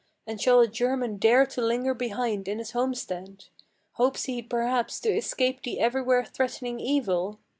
And shall a German dare to linger behind in his homestead? Hopes he perhaps to escape the everywhere threatening evil?